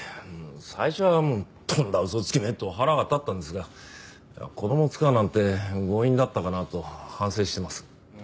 最初はとんだ嘘つきめ！と腹が立ったんですが子供を使うなんて強引だったかなと反省しています。